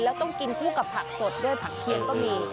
แล้วต้องกินคู่กับผักสดด้วยผักเคียงก็มี